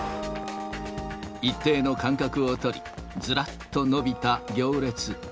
一定の間隔を取り、ずらっと伸びた行列。